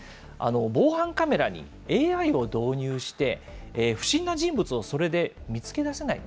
防犯カメラにＡＩを導入して、不審な人物をそれで見つけ出せないの？